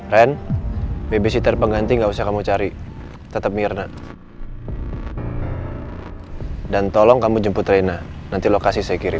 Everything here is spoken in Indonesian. ren bebesitar pengganti enggak usah kamu cari tetep mirna dan tolong kamu jemput rina nanti lokasi saya kirim